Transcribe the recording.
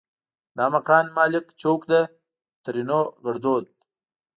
دا مکان مالک چوک ده؛ ترينو ګړدود